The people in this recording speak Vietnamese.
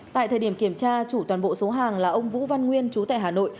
tại thời điểm kiểm tra chủ toàn bộ số hàng là ông vũ văn nguyên chú tại hà nội